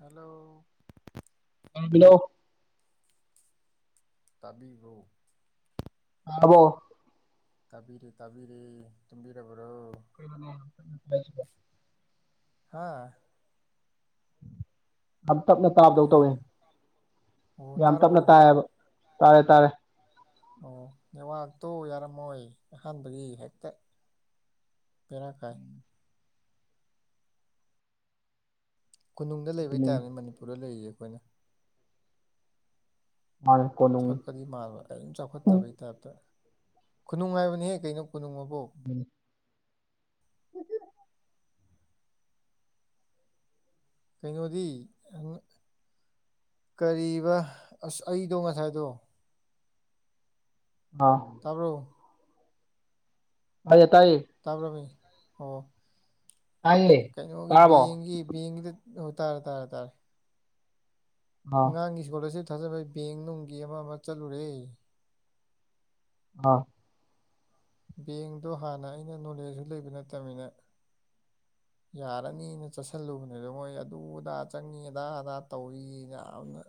hello hello [unintelligible] ꯇꯥꯕꯤꯕꯔꯣ ꯑꯕꯣ ꯇꯥꯕꯤꯔ ꯇꯥꯕꯤꯔ ꯇꯨꯝꯕꯤꯔꯕ꯭ꯔꯣ [inaudible] ꯍꯥꯥ ꯌꯥꯝ ꯇꯞꯅ ꯇꯥꯕꯗꯧ ꯀꯩ ꯇꯧꯋꯦ ꯍꯥꯏꯅꯣ ꯑꯣ ꯌꯥꯝ ꯇꯞꯅ ꯇꯥꯔꯕꯣ ꯇꯥꯏꯌꯦꯕ ꯇꯥꯔꯦ ꯇꯥꯔꯦ ꯑꯣ ꯅꯦꯋꯥꯛꯇꯣ ꯌꯥꯔꯝꯃꯣꯏ ꯑꯍꯥꯟꯕꯒꯤ ꯍꯦꯛꯇ ꯕꯦꯔꯥ ꯀꯥꯏ ꯀꯣꯅꯨꯡꯗ ꯂꯩꯕꯩ ꯑꯗꯨꯅꯤ ꯇꯥꯏꯞꯅꯤ ꯃꯅꯤꯄꯨꯔꯗ ꯂꯩꯔꯤꯁꯦ ꯑꯩꯈꯣꯏꯅ [unintelligible] ꯆꯥꯎꯈꯠꯄꯗꯤ ꯃꯥꯟꯕ ꯀꯩꯏꯝ ꯆꯥꯎꯈꯠꯇꯕꯒꯤ ꯇꯥꯏꯞꯇ ꯈꯨꯅꯨꯡ ꯍꯥꯏꯥꯕꯅꯤꯍꯦ ꯀꯩꯅꯣ ꯀꯣꯅꯨꯡ ꯑꯕꯣ ꯑꯗꯨꯅꯤ [inaudible] ꯀꯩꯅꯣꯗꯤ ꯑ ꯀꯔꯤꯑꯕ ꯑꯁ ꯑꯩꯗꯣ ꯉꯁꯥꯏꯗꯣ ꯑꯥ ꯇꯥꯕ꯭ꯔꯣ ꯇꯥꯏꯌꯦ ꯇꯥꯏꯌꯦ ꯇꯥꯕ꯭ꯔꯣꯃꯦ ꯑꯣ ꯇꯥꯏꯌꯦ ꯀꯩꯅꯣꯒꯤ ꯇꯥꯔꯕꯣ ꯕꯦꯡꯒꯤ ꯕꯦꯡꯒꯤꯗ ꯑꯣ ꯇꯥꯔꯦ ꯇꯥꯔꯦ ꯇꯥꯔꯦ ꯑꯥ ꯑꯉꯥꯡꯒꯤ ꯁ꯭ꯀꯣꯂꯔꯁꯤꯞ ꯊꯥꯖꯤꯟꯕꯩ ꯕꯦꯡ ꯅꯨꯡꯒꯤ ꯑꯃ ꯑꯃ ꯆꯠꯂꯨꯔꯦ ꯑꯥ ꯕꯦꯡꯗꯣ ꯍꯥꯟꯅ ꯑꯩꯅ ꯅꯣꯂꯦꯖꯁꯨ ꯂꯩꯕ ꯅꯠꯇꯕꯅꯤꯅ [inaudible] ꯌꯥꯔꯅꯤꯅ ꯆꯠꯁꯤꯜꯂꯨꯕꯅꯤꯗ ꯃꯣꯏ ꯑꯗꯨ ꯑꯗꯥ ꯆꯪꯉꯤ ꯑꯗꯥ ꯑꯗꯥ ꯇꯧꯏꯅ ꯌꯥꯝꯅ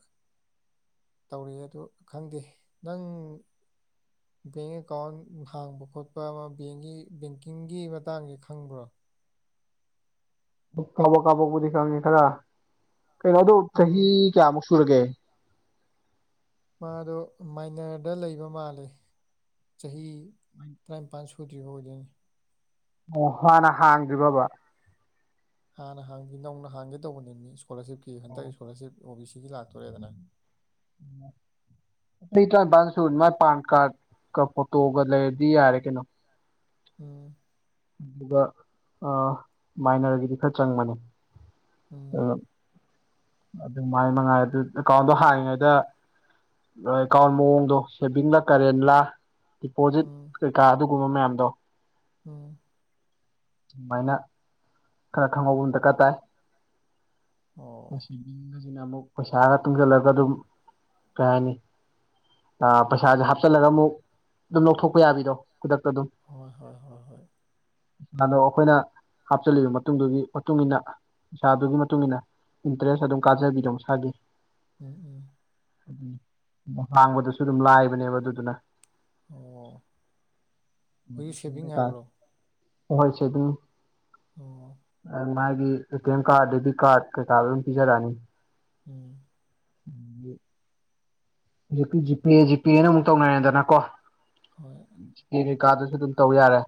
ꯇꯧꯔꯛꯑꯦ ꯑꯗꯨ ꯈꯪꯗꯦ ꯅꯪ [inaudible] ꯕꯦꯡ ꯑꯦꯀꯥꯎꯟ ꯍꯥꯡꯕ ꯈꯣꯠꯄ ꯑꯃ ꯕꯦꯡꯒꯤ ꯕꯦꯡꯀꯤꯡꯒꯤ ꯃꯇꯥꯡꯁꯦ ꯈꯪꯕ꯭ꯔꯣ ꯀꯥꯕꯛ ꯀꯥꯕꯛꯄꯨꯗꯤ ꯈꯪꯉꯦ ꯈꯔ ꯀꯩꯅꯣ ꯑꯗꯨ ꯆꯍꯤ ꯎꯝ ꯀꯌꯥꯃꯨꯛ ꯁꯨꯔꯒꯦ ꯃꯥꯗꯣ ꯃꯥꯏꯅꯔꯗ ꯂꯩꯕ ꯃꯥꯜꯂꯦ ꯆꯍꯤ ꯇꯔꯥꯅꯤꯄꯥꯜ ꯁꯨ ꯗ꯭ꯔꯤꯕ ꯑꯣꯏꯗꯨꯏꯅꯤ ꯑꯣ ꯍꯥꯟꯅ ꯍꯥꯡꯗ꯭ꯔꯤꯕꯥꯕ ꯍꯥꯟꯅ ꯍꯥꯡꯗꯤ ꯅꯧꯅ ꯍꯥꯡꯒꯦ ꯇꯧꯕꯅꯦꯃꯤ ꯏꯁꯀꯣꯂꯔꯁꯤꯞꯀꯤ ꯑꯣ ꯍꯟꯗꯛ ꯏꯁꯀꯣꯂꯥꯔꯁꯤꯞ ꯑꯣ ꯕꯤ ꯁꯤꯒꯤ ꯂꯥꯛꯇꯣꯔꯦꯗꯅ [inaudible] ꯆꯍꯤ ꯇꯔꯥꯏꯟꯄꯥꯟ ꯁꯨꯔꯗꯤ ꯃꯥꯏ ꯄꯥꯟ ꯀꯥꯔꯗ ꯀ ꯐꯣꯇꯣꯒ ꯂꯩꯔꯗꯤ ꯌꯥꯔꯦ ꯀꯩꯅꯣ ꯎꯝ ꯑꯗꯨꯒ ꯑ ꯃꯥꯏꯅꯔꯒꯤꯗꯤ ꯈꯔ ꯆꯪꯕꯅꯦ ꯎꯝ ꯑꯗꯨꯅ ꯑꯗꯨꯃꯥꯏ ꯃꯉꯥꯏ ꯑꯗꯨ ꯑꯦꯀꯥꯎꯟꯗꯣ ꯍꯥꯡꯉꯤꯉꯩꯗ ꯑꯦꯀꯥꯎꯟ ꯃꯑꯣꯡꯗꯣ ꯁꯦꯚꯤꯡꯂꯥ ꯀꯔꯦꯟꯂꯥ ꯗꯤꯄꯣꯖꯤꯠ ꯎꯝ ꯀꯩꯀꯥ ꯑꯗꯨꯒꯨꯝꯕ ꯃꯌꯥꯝꯗꯣ ꯎꯝ ꯑꯃꯥꯏꯅ ꯈꯔ ꯈꯪꯍꯧꯕ ꯑꯃ ꯗꯔꯀꯥꯔ ꯇꯥꯏ ꯑꯣ ꯁꯤꯅ ꯑꯃꯨꯛ ꯄꯩꯁꯥꯒ ꯇꯨꯡꯁꯤꯜꯂꯒ ꯑꯗꯨꯝ ꯀꯩ ꯍꯥꯏꯅꯤ ꯑ ꯄꯩꯁꯥꯁꯦ ꯍꯥꯞꯆꯤꯜꯂꯒ ꯑꯃꯨꯛ ꯑꯗꯨꯝ ꯂꯧꯊꯣꯛꯄ ꯌꯥꯕꯤꯗꯣ ꯈꯨꯗꯛꯇ ꯑꯗꯨꯝ ꯍꯣꯏ ꯍꯣꯏ ꯍꯣꯏ ꯍꯣꯏ ꯑꯗꯣ ꯑꯈꯣꯏꯅ ꯆꯠꯂꯤꯕ ꯃꯇꯨꯡꯗꯨꯒꯤ ꯃꯇꯨꯡ ꯃꯇꯨꯡꯏꯟꯅ ꯄꯩꯁꯥꯗꯨꯒꯤ ꯃꯇꯨꯡ ꯏꯟꯅ ꯏꯟꯇꯔꯦꯁ ꯑꯗꯨꯝ ꯀꯥꯖꯕꯤꯗꯣ ꯃꯁꯥꯒꯤ ꯎꯝ ꯎꯝ ꯎꯝ ꯍꯥꯡꯕꯗꯁꯨ ꯨ ꯁꯨ ꯑꯗꯨꯝ ꯂꯥꯏꯕꯅꯦꯕ ꯑꯗꯨꯗꯨꯅ ꯑꯣ ꯍꯨꯏ ꯁꯦꯚꯤꯡ ꯍꯥꯏꯕ꯭ꯔꯣ ꯍꯣꯏ ꯁꯦꯚꯤꯡ ꯑꯣ ꯑꯩ ꯃꯥꯒꯤ A T M card debit card ꯀꯩ ꯀꯥ ꯂꯣꯏꯝ ꯄꯤꯖꯔꯛ ꯑꯅꯤ ꯎꯝ ꯍꯧꯖꯤꯛꯇꯤ ꯖꯤꯄꯦ ꯖꯤꯄꯦꯅ ꯑꯃꯨꯛ ꯇꯧꯅꯔꯦꯗꯅ ꯀꯣ ꯍꯣꯏ ꯐꯤ ꯀꯩꯀꯥꯗꯨꯁꯨ ꯑꯗꯨꯝ ꯇꯧ ꯌꯥꯔꯦ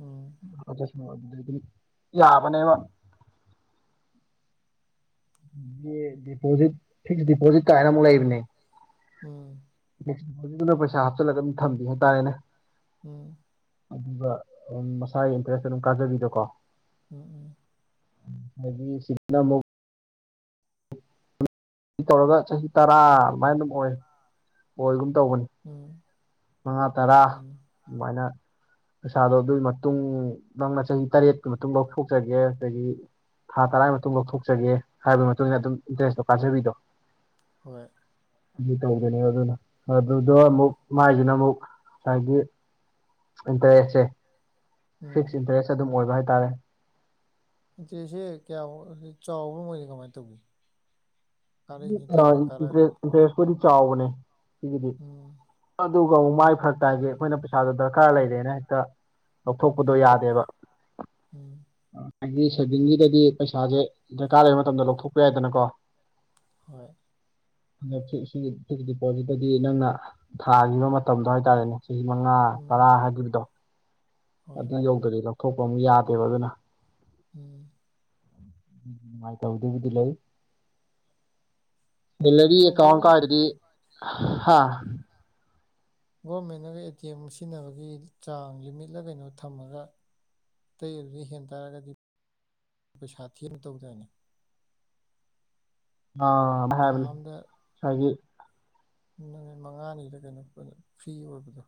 ꯎꯝ ꯑꯗꯨ ꯑꯗꯨꯗꯤ ꯌꯥꯕꯅꯦꯕ ꯗꯤꯄꯣꯖꯤꯠ ꯐꯤꯛꯁ ꯗꯤꯄꯣꯖꯤꯠ ꯀꯥꯏꯅ ꯑꯃꯨꯛ ꯂꯩꯕꯅꯦ ꯎꯝ ꯍꯧꯖꯤꯛꯗ ꯄꯩꯁꯥ ꯍꯥꯞꯆꯤꯜꯂ ꯑꯗꯨꯝ ꯊꯝꯕꯤ ꯍꯥꯏꯇꯥꯔꯦꯅꯦ ꯎꯝ ꯑꯗꯨꯒ ꯃꯁꯥꯒꯤ ꯏꯟꯇꯔꯦꯁꯇ ꯑꯗꯨꯝ ꯀꯥꯖꯕꯤꯗꯣꯀꯣ ꯎꯝ ꯎꯝ ꯍꯥꯏꯒꯤ ꯁꯤꯅꯥꯃ ꯁꯤ ꯇꯧꯔꯒ ꯆꯍꯤ ꯇꯔꯥ ꯑꯗꯨꯃꯥꯏꯅ ꯑꯗꯨꯝ ꯑꯣꯏ ꯍꯒꯨꯝ ꯇꯧꯕꯅꯤ ꯎꯝ ꯃꯉꯥ ꯇꯔꯥ ꯎꯝ ꯑꯗꯨꯃꯥꯏꯅ ꯄꯩꯁꯥꯗꯣ ꯑꯗꯨꯒꯤ ꯃꯇꯨꯡ ꯅꯪꯅ ꯆꯍꯤ ꯇꯔꯦꯠꯀꯤ ꯃꯇꯨꯡ ꯂꯧꯊꯣꯛꯆꯒꯦ ꯑꯗꯨꯗꯒꯤ ꯊꯥ ꯇꯔꯥꯒꯤ ꯃꯇꯨꯡ ꯂꯧꯊꯣꯛꯆꯒꯦ ꯍꯥꯏꯕꯒꯤ ꯃꯇꯨꯡ ꯏꯟꯅ ꯑꯗꯨꯝ ꯏꯟ ꯗ꯭ꯔꯦꯁꯇꯣ ꯀꯥꯖꯕꯤꯗꯣ ꯍꯣꯏ ꯑꯗꯨ ꯇꯧꯗꯅꯦ ꯑꯗꯨꯅ ꯑꯗꯨꯗꯣ ꯑꯃꯨꯛ ꯃꯥꯏꯁꯤꯅ ꯑꯃꯨꯛ ꯉꯁꯥꯏꯒꯤ ꯏꯟꯇꯔꯦꯁꯁꯦ ꯎꯝ ꯐꯤꯛꯁ ꯏꯟꯇꯔꯦꯁ ꯑꯗꯨꯝ ꯑꯣꯏꯕ ꯍꯥꯏꯇꯥꯔꯦ ꯏꯆꯦꯁꯦ ꯀꯌꯥ ꯆꯥꯎꯕꯅꯤ ꯀꯃꯥꯏꯅ ꯇꯧꯤ ꯀꯥꯔꯛ ꯏꯦ ꯏꯟꯇꯔꯦꯁꯄꯨꯗꯤ ꯆꯥꯎꯕꯅꯦ ꯁꯤꯒꯤꯗꯤ ꯎꯝ ꯑꯗꯨꯒ ꯃꯥꯏ ꯐꯔꯛ ꯇ ꯍꯥꯏꯒꯦ ꯑꯩꯈꯣꯏꯅ ꯄꯩꯁꯥꯗꯨꯣ ꯗꯔꯀꯥꯔ ꯂꯩꯔꯦꯅ ꯍꯦꯛꯇ ꯂꯧꯊꯣꯛꯄꯗꯣ ꯎꯝ ꯌꯥꯗꯦꯕ ꯎꯝ ꯎꯝ ꯑꯩꯒꯤ ꯁꯦꯚꯤꯡꯒꯤꯗꯗꯤ ꯄꯩꯁꯥꯁꯦ ꯗꯔꯀꯥꯔ ꯂꯩꯕ ꯃꯇꯝꯗ ꯂꯧꯊꯣꯛꯄ ꯌꯥꯏꯗꯅꯀꯣ ꯍꯣꯏ ꯑꯗ ꯁꯤꯒꯤ ꯐꯛ ꯗꯤꯄꯣꯖꯤꯠꯇꯗꯤ ꯅꯪꯅ ꯊꯥꯈꯤꯕ ꯃꯇꯝꯗꯣ ꯍꯥꯏꯇꯥꯔꯦꯅꯦ ꯆꯍꯤ ꯃꯉꯥ ꯇꯔꯥ ꯎꯝ ꯍꯥꯏꯈꯤꯕꯗꯣ ꯍꯣꯏ ꯑꯗꯨꯅ ꯌꯧꯗ꯭ꯔꯗꯤ ꯂꯧꯊꯣꯛꯄ ꯑꯃ ꯌꯥꯗꯦꯕ ꯑꯗꯨꯅ ꯎꯝ ꯎ ꯅꯨꯡꯉꯥꯏꯇꯧꯗꯦꯕꯨꯗꯤ ꯂꯩ ꯗꯂꯔꯤ ꯑꯗꯣ ꯑꯦ ꯀꯥꯎ ꯀ ꯍꯥꯏꯗꯤ ꯍꯥꯥ ꯒꯣꯔꯃꯦꯟꯅꯒ ꯑꯦ ꯇꯤ ꯑꯦꯝ ꯁꯤꯖꯤꯟꯅꯕꯒꯤ ꯆꯥꯡ ꯂꯤꯃꯤꯠꯂ ꯀꯩꯅꯣ ꯊꯝꯃꯒ ꯑꯇꯩ ꯑꯗꯨꯗ ꯍꯦꯟ ꯇꯥꯔꯒꯗꯤ ꯄꯩꯁꯥ ꯊꯤ ꯑꯃ ꯇꯧꯗꯣꯏꯅꯦ ꯑ ꯊꯥ ꯍꯥꯏꯕ ꯑꯝꯗ ꯍꯥꯏꯒꯤ ꯅꯨꯃꯤꯠ ꯃꯉꯥꯅꯤꯗ ꯀꯩꯅꯣ ꯐ꯭ꯔꯤ ꯑꯣꯏꯕꯗꯣ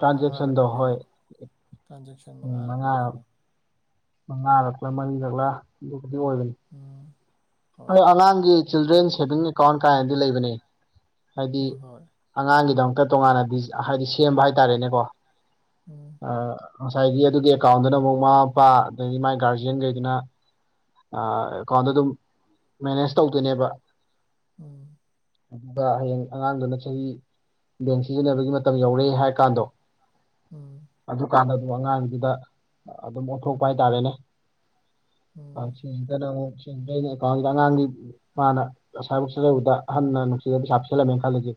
ꯇ꯭ꯔꯥꯟꯖꯦꯛꯁꯟꯗꯣ ꯃꯉꯥꯔꯛꯂ ꯍꯣꯏ ꯀꯅꯣ ꯇ꯭ꯔꯥꯟꯖꯦꯛꯁꯟ ꯃꯉꯥꯔꯛꯂ ꯀꯅꯣ ꯃꯉꯥꯔꯛꯂꯥ ꯃꯔꯤꯔꯛꯂ ꯑꯗꯨꯕꯨꯗꯤ ꯑꯣꯏꯕꯅꯤ ꯎ ꯑꯩ ꯑꯉꯥꯡꯒꯤ ꯆꯤꯜꯗ꯭ꯔꯦꯟ ꯁꯦꯚꯤꯡ ꯑꯦꯀꯥꯎꯟ ꯀꯥꯏꯅꯗꯤ ꯂꯩꯕꯅꯦ ꯍꯥꯏꯗꯤ ꯍꯣꯏ ꯍꯣꯏ ꯑꯉꯥꯡꯒꯤꯗꯃꯛꯇ ꯇꯣꯉꯥꯟꯅꯗꯤ ꯍꯥꯏꯗꯤ ꯁꯦꯝꯕ ꯍꯥꯏꯇꯥꯔꯦꯅꯦꯀꯣ ꯑꯣꯝ ꯉꯁꯥꯏꯒꯤ ꯑꯗꯨꯒꯤ ꯑꯦꯀꯥꯎꯟꯗꯨꯅ ꯑꯃꯨꯛ ꯃꯃꯥ ꯃꯄꯥ ꯑꯗꯩꯗꯒꯤ ꯃꯥꯏ ꯒꯥꯔꯖꯤꯌꯥꯟꯈꯩꯗꯨꯅ ꯑ ꯀꯅ ꯑꯗꯨꯝ ꯃꯦꯅꯦꯖ ꯇꯧꯗꯣꯏꯅꯦꯕ ꯎꯝ ꯑꯗꯨꯒ ꯍꯌꯦꯡ ꯑꯉꯥꯡꯗꯨꯅ ꯆꯍꯤ ꯕꯦꯡ ꯁꯤꯖꯤꯟꯅꯕꯒꯤ ꯃꯇꯝ ꯌꯧꯔꯑꯦ ꯍꯥꯏꯔ ꯀꯥꯟꯗꯣ ꯎꯝ ꯑꯗꯨꯀꯥꯟꯗ ꯑꯗꯨꯝ ꯑꯉꯥꯡꯗꯨꯗ ꯑꯗꯨꯝ ꯑꯣꯟꯊꯣꯛꯄ ꯍꯥꯏꯇꯥꯔꯦꯅꯦ ꯎꯝ ꯆꯅ ꯆ ꯀꯜꯗꯉ ꯃꯥꯅ ꯉꯁꯥꯏꯕꯨꯁꯤ ꯂꯩꯕꯗ ꯍꯟꯅ ꯅꯨꯡꯁꯤ ꯆꯞꯁꯤꯜꯂꯝꯃꯦꯅ ꯈꯜꯂꯁꯦ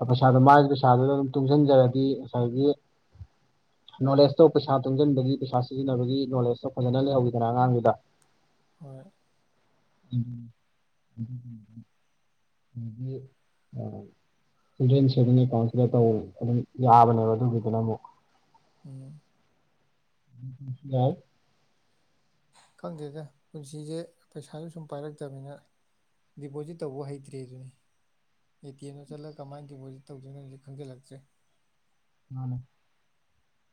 ꯑ ꯄꯩꯁꯥꯗꯣ ꯎꯝ ꯃꯥꯒꯤ ꯄꯩꯁꯥꯗꯨꯗ ꯑꯗꯨꯝ ꯇꯨꯡꯁꯤꯟꯖꯔꯗꯤ ꯉꯁꯥꯏꯒꯤ ꯅꯣꯂꯦꯖꯇꯣ ꯄꯩꯁꯥ ꯇꯨꯡꯁꯤꯟꯕꯒꯤ ꯄꯩꯁꯥ ꯁꯤꯖꯤꯟꯅꯕꯒꯤ ꯅꯣꯂꯦꯖꯇꯣ ꯐꯖꯅ ꯂꯩꯍꯧꯏꯗꯅ ꯑꯉꯥꯡꯗꯨꯗ ꯍꯣꯏ [unintelligible] ꯆꯤꯜꯗ꯭ꯔꯦꯟ ꯁꯦꯚꯤꯡ ꯑꯦꯀꯥꯎꯟꯁꯤꯗ ꯇꯧ ꯑꯗꯨꯝ ꯌꯥꯕꯅꯦꯕ ꯑꯗꯨꯒꯤꯗꯨꯅ ꯑꯃꯨꯛ ꯎꯝ [unintelligible] ꯈꯪꯗꯦꯗ ꯄꯨꯟꯁꯤꯁꯦ ꯄꯩꯁꯥꯁꯨ ꯁꯨꯝ ꯄꯥꯏꯔꯛꯇꯕꯅꯤꯅ ꯗꯤꯄꯣꯖꯤꯠ ꯇꯧꯕꯧ ꯍꯩꯇ꯭ꯔꯦ ꯗꯨꯅꯤ ꯑꯦ ꯇꯤ ꯑꯦꯝꯗ ꯆꯠꯂꯒ ꯀꯃꯥꯏꯅ ꯗꯤꯄꯣꯖꯤꯠ ꯇꯧꯗꯣꯏꯅꯣꯖꯤꯁꯨ ꯈꯪꯖꯜꯂꯛꯇ꯭ꯔꯦ ꯃꯥꯅꯦ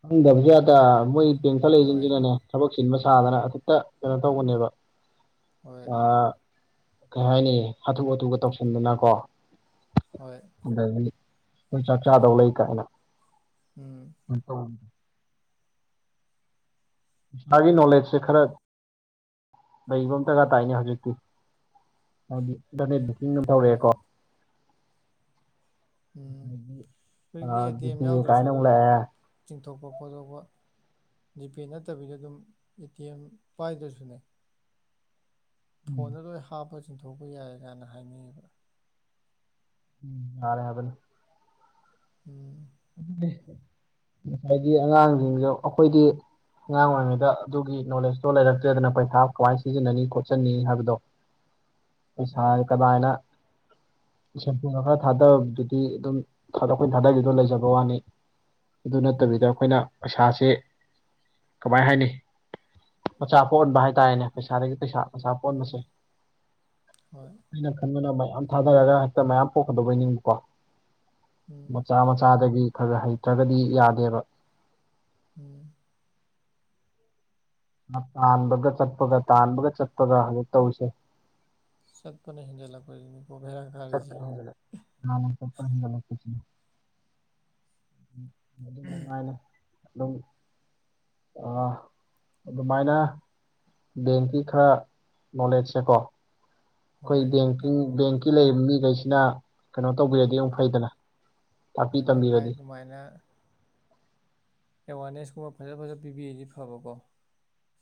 ꯈꯪꯗꯕꯁꯨ ꯌꯥꯗ ꯃꯣꯏ ꯕꯦꯡꯇ ꯍꯣꯏ ꯂꯩꯔꯤꯁꯤꯡꯖꯤꯅꯅꯦ ꯊꯕꯛ ꯆꯤꯟꯕ ꯁꯥꯗꯅ ꯑꯈꯨꯠꯇ ꯀꯩꯅꯣ ꯇꯧꯕꯅꯦꯕ ꯍꯣꯏ ꯀꯩ ꯍꯥꯏꯅꯤ ꯍꯥꯊꯨ ꯍꯥꯊꯨꯒ ꯇꯧꯁꯤꯟꯗꯅꯀꯣ ꯍꯣꯏ ꯑꯗꯒꯤ ꯑꯩꯈꯣꯏ ꯆꯥꯛ ꯆꯥꯗꯧ ꯂꯩ ꯀꯥꯏꯅ ꯎꯝ [unintelligible] ꯄꯩꯁꯥꯒꯤ ꯅꯣꯂꯦꯖꯁꯦ ꯈꯔ ꯂꯩꯕ ꯑꯃ ꯗꯔꯀꯥꯔ ꯇꯥꯏꯅꯦ ꯍꯧꯖꯤꯛꯇꯤ ꯍꯥꯏꯕꯗꯤ ꯏꯟꯇꯔꯅꯦꯠ ꯕꯨꯛꯀꯤꯡꯅ ꯍꯣꯏ ꯇꯧꯔꯛꯑꯦꯀꯣ ꯎꯝ ꯍꯧꯖꯤꯛꯇꯤ ꯑꯦ ꯑꯗꯒꯤ ꯇꯤ ꯑꯦꯝ ꯖꯤꯄꯦ ꯌꯥꯎꯗ꯭ꯔꯁꯨ ꯀꯥꯏꯅ ꯑꯃꯨꯛ ꯑꯗꯨꯝ ꯂꯥꯛꯑꯦ ꯆꯤꯡꯊꯣꯛꯄ ꯈꯣꯠꯇꯣꯛꯄ ꯖꯤꯄꯦ ꯅꯠꯇꯕꯤꯗ ꯑꯗꯨꯝ ꯑꯦ ꯇꯤ ꯑꯦꯝ ꯄꯥꯏꯗ꯭ꯔꯁꯨꯅꯦ ꯐꯣꯟꯗ ꯂꯣꯏ ꯍꯥꯞꯄ ꯆꯤꯡꯊꯣꯛꯄ ꯌꯥꯏ ꯀꯥꯏꯅ ꯍꯥꯏꯅ ꯩꯌꯦꯕ ꯎꯝ ꯌꯥꯔꯦ ꯍꯥꯏꯕꯅꯤ ꯎꯝ ꯑꯗꯨꯅꯦ ꯉꯁꯥꯏꯗꯤ ꯑꯉꯥꯡꯁꯤꯡꯁꯨ ꯑꯩꯈꯣꯏꯗꯤ ꯑꯉꯥꯡ ꯑꯣꯏꯔꯤꯉꯩꯗ ꯑꯗꯨꯒꯤ ꯅꯣꯂꯦꯖꯇꯣ ꯂꯩꯔꯛꯇꯦꯗꯅ ꯄꯩꯁꯥ ꯀꯃꯥꯏ ꯁꯤꯖꯤꯟꯅꯅꯤ ꯈꯣꯠꯆꯟꯅꯤ ꯍꯥꯏꯕꯗꯣ ꯍꯣꯏ ꯄꯩꯁꯥꯖꯦ ꯀꯗꯥꯏꯅ ꯁꯦꯝꯐꯨꯗ ꯈꯔ ꯊꯥꯗꯕꯗꯨꯗꯤ ꯑꯗꯨꯝ ꯑꯩꯈꯣꯏꯅ ꯊꯥꯗꯈꯤꯗꯣ ꯂꯩꯖꯕ__ ꯕꯋꯥꯅꯤ ꯑꯗꯨ ꯅꯠꯇꯕꯤꯗ ꯎꯝ ꯑꯩꯈꯣꯏꯅ ꯄꯩꯁꯥꯁꯦ ꯀꯃꯥꯏ ꯍꯥꯏꯅꯤ ꯃꯆꯥ ꯄꯣꯛꯍꯟꯕ ꯍꯥꯏꯇꯥꯔꯦꯅꯦ ꯄꯩꯁꯥꯗꯒꯤ ꯄꯩꯁꯥ ꯃꯆꯥ ꯄꯣꯛꯍꯟꯕꯁꯦ ꯎꯝ ꯍꯣꯏ ꯑꯩꯅ ꯈꯟꯕꯅ ꯃꯌꯥꯝ ꯊꯥꯗꯔꯒ ꯍꯦꯛꯇ ꯃꯌꯥꯝ ꯄꯣꯛꯀꯗꯧꯕꯩ ꯅꯤꯡꯕꯀꯣ ꯎꯝ ꯃꯆꯥ ꯃꯆꯥ ꯃꯆꯥꯗꯒꯤ ꯈꯔ ꯈꯔ ꯍꯩꯇ꯭ꯔꯒꯗꯤ ꯌꯥꯗꯦꯕ ꯎꯝ ꯅ ꯇꯥꯟꯕꯒ ꯆꯠꯄꯒ ꯇꯥꯟꯕꯒ ꯆꯠꯄꯒ ꯍꯧꯖꯤꯛ ꯇꯧꯔꯤꯁꯦ ꯆꯠꯄꯅ ꯍꯦꯟꯖꯤꯜꯂꯛꯄꯖꯤꯅꯤ ꯑꯣ [unintelligible] ꯆꯠꯄꯅ ꯍꯦꯟꯖꯤꯜꯂꯛꯄ ꯃꯥꯅꯦ ꯆꯠꯄꯅ ꯍꯦꯟꯖꯤꯜꯂꯛꯄꯖꯤꯅꯦ [unintelligible] [unintelligible] ꯃꯥꯅꯦ ꯑꯗꯨꯝ ꯑꯥꯍ ꯑꯗꯨꯃꯥꯏꯅ ꯕꯦꯡꯀꯤ ꯈꯔ ꯅꯣꯂꯦꯖꯁꯦꯀꯣ ꯑꯩꯈꯣꯏ ꯍꯣꯏ ꯕꯦꯡꯀꯤꯡ ꯅꯪ ꯕꯦꯡꯀꯤ ꯂꯩꯔꯤꯕ ꯃꯤꯈꯩꯁꯤꯅ ꯀꯩꯅꯣ ꯇꯧꯕꯤꯔꯗꯤ ꯎꯝ ꯑꯃꯨꯛ ꯐꯩꯗꯅ ꯇꯥꯛꯄꯤ ꯇꯝꯕꯤꯔꯗꯤ ꯁꯨꯃꯥꯏꯅ ꯑꯦꯋꯥꯔꯅꯦꯁ ꯀꯨꯝꯕ ꯐꯖ ꯐꯖ ꯄꯤꯕꯤꯔꯗꯤ ꯐꯕꯀꯣ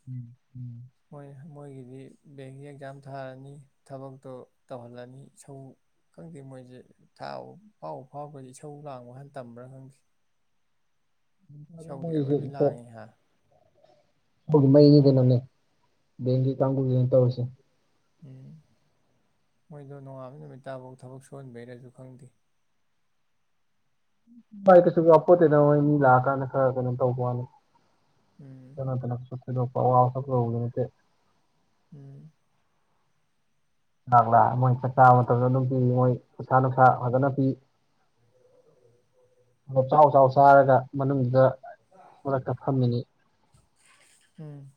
ꯎꯝ ꯎꯝ ꯃꯣꯏ ꯃꯣꯏꯒꯤꯗꯤ ꯕꯦꯡꯒꯤ ꯑꯦꯛꯖꯥꯝ ꯊꯥꯔꯅꯤ ꯊꯕꯛꯇꯣ ꯇꯧꯍꯜꯂꯅꯤ ꯏꯁꯧ__ ꯈꯪꯗꯦ ꯃꯣꯏꯁꯦ ꯊꯥꯕꯨ ꯐꯥꯎꯕꯨ ꯐꯥꯎꯒ꯭ꯔꯗꯤ ꯏꯁꯧ ꯂꯥꯡꯕ ꯍꯥꯟꯅ ꯇꯝꯕ꯭ꯔꯥ ꯈꯪꯗꯦ ꯏꯁꯧꯗꯤ ꯑꯔꯣꯏꯕꯤ ꯂꯥꯡꯉꯤ [unintelligible] ꯍꯥ ꯏꯁꯧꯗꯤ ꯃꯩꯅꯤ ꯀꯩꯅꯣꯅꯦ ꯕꯦꯡꯒꯤ ꯀꯥꯡꯕꯨꯁꯤꯅ ꯇꯧꯔꯤꯁꯦ ꯎꯝ ꯃꯣꯏꯗꯣ ꯅꯣꯡꯉꯥꯟꯕ ꯅꯨꯃꯤ ꯇꯥꯐꯧ ꯊꯕꯛ ꯁꯨꯍꯟꯕꯩꯔꯁꯨ ꯈꯪꯗꯦ ꯥꯏ ꯀꯩꯁꯨꯄꯣꯠꯇꯗꯧ ꯃꯤ ꯂꯥꯛꯑꯀꯥꯟꯗ ꯈꯔ ꯀꯩꯅꯣ ꯇꯧꯕꯅꯤ ꯎꯝ ꯁ ꯎꯝ ꯂꯥꯛꯂ ꯃꯣꯏ ꯆꯥꯛ ꯆꯥꯕ ꯃꯇꯝꯗ ꯑꯗꯨꯝ ꯄꯤ ꯃꯣꯏ ꯄꯩꯁꯥ ꯅꯨꯡꯁꯥ ꯐꯖꯅ ꯄꯤ ꯑꯗꯣ ꯆꯥꯎ ꯆꯥꯎ ꯆꯔꯒ ꯃꯅꯨꯡꯗꯨꯗ ꯃꯔꯛꯇ ꯐꯝꯃꯤꯅꯤ ꯎꯝ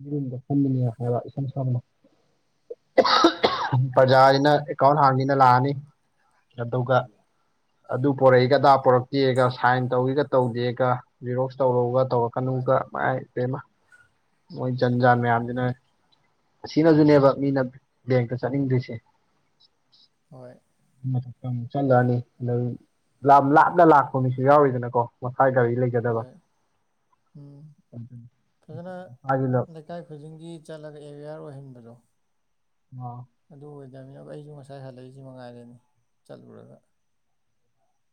ꯃꯤꯔꯨꯝꯒ ꯐ ꯍꯥꯏꯕ ꯏ ꯁꯅ ꯄ꯭ꯔꯖꯥꯁꯤꯅ ꯑꯦꯀꯥꯎꯟ ꯍꯥꯡꯉꯅ ꯂꯥꯛꯑꯅꯤ ꯑꯗꯨꯒ ꯑꯗꯨ ꯄꯣꯔꯛꯏꯒꯗꯥ ꯄꯣꯔꯛꯇꯦꯒ ꯁꯥꯏꯟ ꯇꯧꯒꯒ ꯇꯧꯗꯦꯒ ꯔꯤꯔꯣꯛꯁ ꯇꯧꯔꯒ ꯍꯣꯏ ꯇꯧꯔꯛꯀꯅꯨꯒ ꯃꯥꯏꯃ ꯃꯣꯏ ꯖꯟ ꯖꯥꯟ ꯃꯌꯥꯝꯁꯤꯅ ꯎꯝ ꯑꯁꯤꯅꯁꯨꯅꯦꯕ ꯃꯤꯅ ꯕꯦꯡꯇ ꯆꯠꯅꯤꯡꯗꯣꯏꯁꯦ ꯍꯣꯏ ꯃꯊꯛꯇ ꯑꯃꯨꯛ ꯆꯠꯅꯔꯅꯤ ꯑꯗ ꯂꯥꯞꯅ ꯂꯥꯛꯄ ꯃꯤꯁꯨ ꯌꯥꯎꯔꯤꯗꯅꯀꯣ ꯃꯈꯥ ꯒꯥꯔꯤ ꯂꯩ ꯍꯣꯏ ꯎꯝ ꯐꯒꯅ ꯃꯁꯥꯒꯤ ꯂꯝ ꯂꯩ ꯂꯩꯀꯥꯏ ꯈꯨꯗꯤꯡꯒꯤ ꯆꯠꯂꯒ ꯑꯦꯋꯦꯌꯥꯔ ꯑꯣꯏꯍꯟꯕꯗꯣ ꯑꯣ ꯑꯗꯨ ꯑꯣꯏꯗꯕꯅꯤ ꯑ ꯑꯩꯁꯨ ꯉꯁꯥꯏ ꯍꯜꯂꯛꯏꯁꯤ ꯃꯉꯥꯏꯔꯦꯅꯤ ꯆꯠꯂꯨꯔꯒ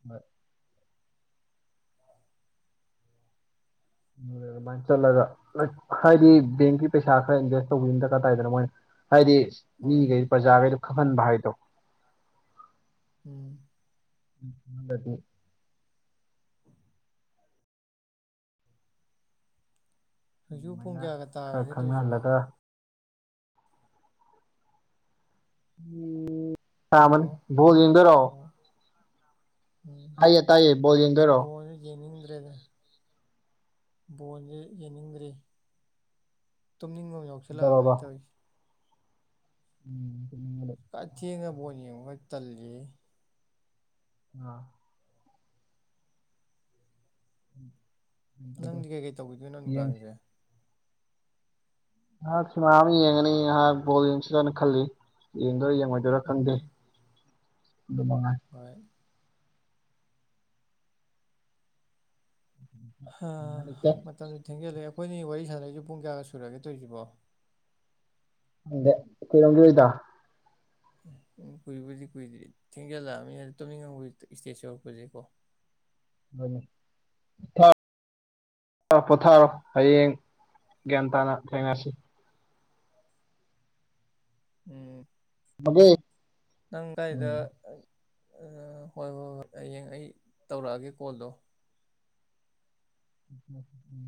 ꯍ ꯑꯗꯨꯃꯥꯏꯅ ꯆꯠꯂꯒ ꯍꯥꯏꯗꯤ ꯕꯦꯡꯀꯤ ꯄꯩꯁꯥ ꯈꯔ ꯏꯟꯚꯦꯁ ꯇꯧꯕꯤꯗꯨꯅ ꯗꯔꯀꯥꯔ ꯇꯥꯏꯗꯅ ꯃꯣꯏꯅ ꯍꯥꯏꯗꯤ ꯍꯣꯏ ꯃꯤꯈꯩ ꯄ꯭ꯔꯖꯥꯈꯩꯗꯣ ꯈꯪꯍꯟꯕ ꯍꯥꯏꯗꯣ ꯎꯝ ꯎꯗꯤ ꯎ ꯍꯧꯖꯤꯛ ꯄꯨꯡ ꯑꯗꯨꯃꯥꯏꯅ ꯀꯌꯥꯒ ꯈꯔ ꯇꯥꯈ꯭ꯔꯒꯦꯗꯣꯏꯁꯤꯕꯣ ꯈꯪꯅꯍꯜꯂꯒ ꯎꯝ ꯍꯜꯂꯣ ꯀꯃꯅꯤ ꯣꯖꯤꯗꯔꯣ ꯑꯣ ꯇꯥꯏꯌꯦ ꯕꯣꯜ ꯌꯦꯡꯗꯣꯏꯔꯣ ꯎꯝ ꯣꯜ ꯌꯦꯅꯤꯗ꯭ꯔꯦꯗ ꯕꯣꯟꯁꯦ ꯌꯦꯡꯅꯤꯡꯗ꯭ꯔꯦ ꯇꯨꯝꯅꯤꯡꯕ ꯑꯃ ꯇꯧꯔꯕ ꯌꯥꯎꯁꯜꯂꯛꯑꯕꯅꯤ ꯇꯧꯔꯤꯁꯦ ꯎꯝ ꯈ ꯊꯦꯡꯅ ꯕꯣꯠ ꯌꯦꯡꯉꯒ ꯇꯜꯂꯤ ꯑ ꯅꯪꯗꯤ ꯀꯩ ꯀꯩ ꯇꯧꯕꯤꯗꯣꯏꯅꯣ ꯌꯦꯡꯁꯤ ꯅꯨꯡꯗꯥꯡꯁꯦ ꯉꯍꯥꯛ ꯁꯤꯃꯥ ꯑꯃ ꯌꯦꯡꯉꯅꯤ ꯉꯍꯥꯛ ꯕꯣꯜ ꯌꯦꯡꯁꯤꯗꯅ ꯈꯜꯂꯤ ꯌꯦꯡꯗꯔ ꯌꯦꯡꯉꯣꯏ ꯑꯗꯨꯔ ꯈꯟꯗꯦ ꯑꯗꯨ ꯅꯨꯡꯉꯥꯏ ꯑꯩꯣꯏ ꯂꯩꯇꯦ ꯃꯇꯝꯗꯨ ꯊꯦꯡꯖꯤꯜꯂꯑꯦ ꯑꯩꯈꯣꯏꯅꯤ ꯋꯥꯔꯤ ꯁꯥꯟꯅꯛꯏꯁꯦ ꯄꯨꯡ ꯀꯌꯥꯒ ꯁꯨꯔꯒꯦ ꯇꯧꯔꯤꯁꯤꯕꯣ ꯑꯗ ꯀꯩꯅꯣꯝꯒꯤ ꯑꯣꯏꯗ ꯎꯝ ꯎꯝ ꯀꯨꯏꯕꯨꯗꯤ ꯀꯨꯏꯔꯗꯗꯤ ꯊꯦꯡꯖꯤꯜꯂꯛꯑꯅꯤꯅ ꯇꯣꯃꯤꯉꯕꯨ ꯏꯁꯇꯦꯖ ꯌꯧꯔꯛꯄꯁꯦꯀꯣ ꯍꯅꯦ ꯊ ꯄꯔꯣ ꯄꯣꯊꯥꯔꯣ ꯍꯌꯦꯡ ꯒ꯭ꯌꯥꯟ ꯇꯥꯅ ꯊꯦꯡꯅꯔꯁꯤ ꯎꯝ ꯃꯒꯦ ꯅꯪꯥꯏꯗ ꯎꯝ ꯍꯣꯏ ꯍꯣꯏ ꯍꯣꯏ ꯍꯌꯦꯡ ꯑꯩ ꯇꯧꯔꯛꯑꯒꯦ ꯀꯣꯜꯗꯣ ꯎ ꯎꯝ